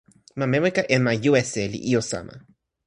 ma Mewika en ma Juwese li ijo sama.